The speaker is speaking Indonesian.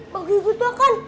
bagus gitu kan